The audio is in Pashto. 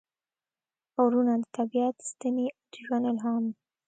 غرونه – د طبیعت ستنې او د ژوند الهام